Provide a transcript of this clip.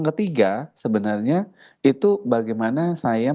oh ini ini ini ini apa tuh bahan ini di sini ya